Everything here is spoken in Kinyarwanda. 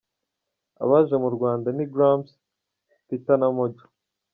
Abaje mu Rwanda ni Gramps, Peetah na Mojo.